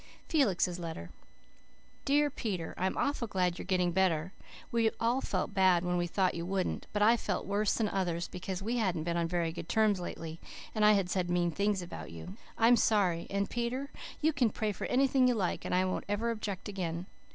F. K." FELIX' LETTER "DEAR PETER: I am awful glad you are getting better. We all felt bad when we thought you wouldn't, but I felt worse than the others because we hadn't been on very good terms lately and I had said mean things about you. I'm sorry and, Peter, you can pray for anything you like and I won't ever object again.